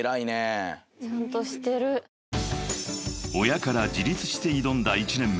［親から自立して挑んだ１年目］